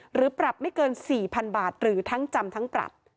หรือปรับไม่เกิน๔๐๐๐บาทหรือทั้งจำทั้งปรับ